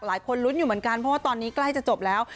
หลายคนลุ้นอยู่เหมือนกันเพราะว่าตอนนี้ใกล้จะจบแล้ว